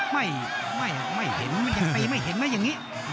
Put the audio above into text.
ไม่ไม่เห็นใครไม่เห็นนะอย่างนี้